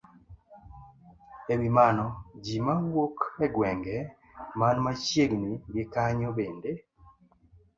E wi mano, ji mawuok e gwenge man machiegni gi kanyo bende